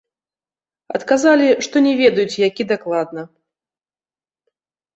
Адказалі, што не ведаюць, які дакладна.